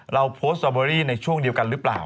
เราโพสต์สตรอเบอรี่ในช่วงเดียวกันหรือเปล่า